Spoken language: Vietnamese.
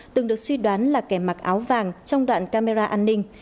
từng được suy đoán là kẻ mặc áo vàng trong đoạn camera an ninh